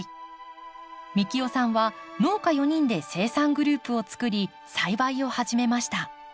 幹雄さんは農家４人で生産グループをつくり栽培を始めました。